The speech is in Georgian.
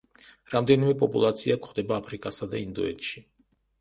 რამდენიმე პოპულაცია გვხვდება აფრიკასა და ინდოეთში.